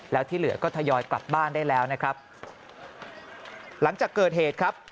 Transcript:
แล้วที่เหลือก็ทยอยกลับบ้านได้แล้วนะครับหลังจากเกิดเหตุครับ